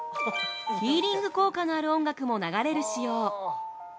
◆ヒーリング効果のある音楽も流れる仕様。